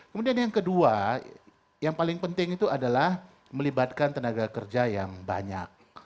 kemudian yang kedua yang paling penting itu adalah melibatkan tenaga kerja yang banyak